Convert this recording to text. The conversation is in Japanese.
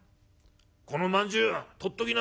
『このまんじゅうとっときな。